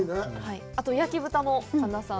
あと焼き豚も神田さん